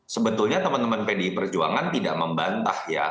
sebetulnya teman teman pdi perjuangan tidak membantah ya